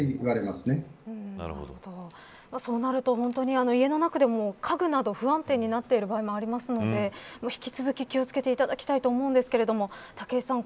そうなると本当に家の中でも家具など不安定になっている場合もあるので引き続き気を付けていただきたいと思うんですが武井さん